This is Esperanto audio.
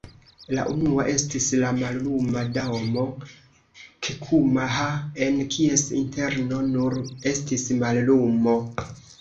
La unua estis la Malluma Domo, Kekuma-ha, en kies interno nur estis mallumo".